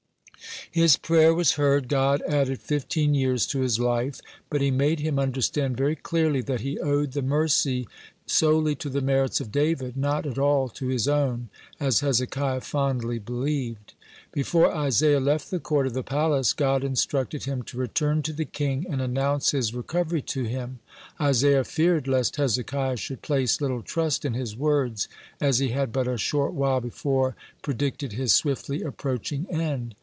(76) His prayer was heard. God added fifteen years to his life, but He made him understand very clearly, that he owed the mercy solely to the merits of David, not at all to his own, as Hezekiah fondly believed. (77) Before Isaiah left the court of the palace, God instructed him to return to the king, and announce his recovery to him. Isaiah feared lest Hezekiah should place little trust in his words, as he had but a short while before predicted his swiftly approaching end.